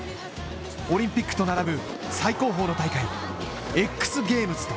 オリンピックと並ぶ最高峰の大会